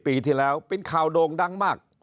ปีที่แล้วเป็นข่าวโด่งดังมาก